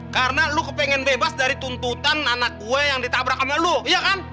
karena lo kepengen bebas dari tuntutan anak gue yang ditabrak sama lo iya kan